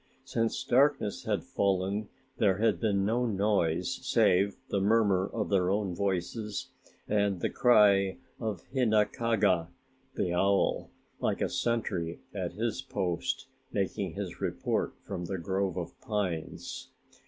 Since darkness had fallen there had been no noise save the murmur of their own voices and the cry of "Hinakaga", the owl, like a sentry at his post making his report from the grove of pines.